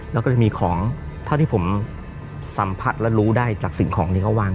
แล้วก็จะมีของเท่าที่ผมสัมผัสและรู้ได้จากสิ่งของที่เขาวาง